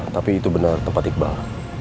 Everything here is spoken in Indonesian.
tapi itu bener tempat ikbal